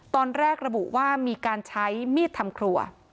ตอนแรกระบุว่ามีการใช้มีดทำครัว